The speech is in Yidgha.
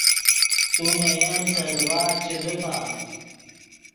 تو نے ین سے دیبال چے دیفا